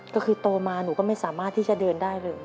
ก็คือโตมาหนูก็ไม่สามารถที่จะเดินได้เลย